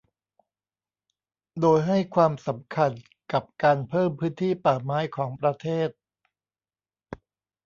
โดยให้ความสำคัญกับการเพิ่มพื้นที่ป่าไม้ของประเทศ